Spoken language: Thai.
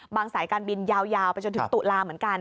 สายการบินยาวไปจนถึงตุลาเหมือนกัน